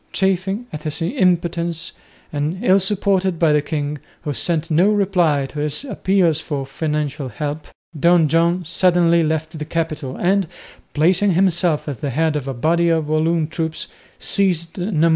Chafing at his impotence, and ill supported by the king, who sent no reply to his appeals for financial help, Don John suddenly left the capital and, placing himself at the head of a body of Walloon troops, seized Namur.